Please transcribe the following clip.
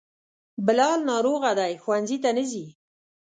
بلال ناروغه دی, ښونځي ته نه ځي